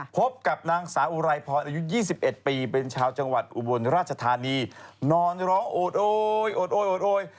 พบกับนางสาอุไรพรอายุ๒๑ปีเป็นชาวจังหวัดอุบลราชธานีนอนร้องโอดโอยโอดโอดโอย